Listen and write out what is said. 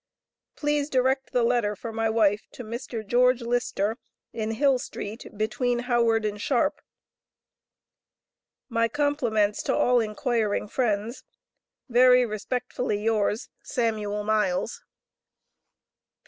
Please direct the letter for my wife to Mr. George Lister, in Hill street between Howard and Sharp. My compliments to all enquiring friends. Very respectfully yours, SAMUEL MILES.